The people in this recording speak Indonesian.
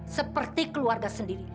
seperti keluarga sendiri